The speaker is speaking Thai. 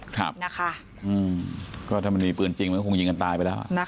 ครับนะคะอืมก็ถ้ามันมีปืนจริงมันก็คงยิงกันตายไปแล้วอ่ะนะคะ